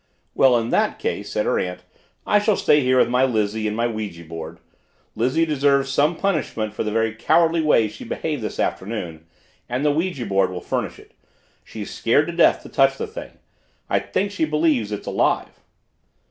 "Well, in that case," said her aunt, "I shall stay here with my Lizzie and my ouija board. Lizzie deserves some punishment for the very cowardly way she behaved this afternoon and the ouija board will furnish it. She's scared to death to touch the thing. I think she believes it's alive."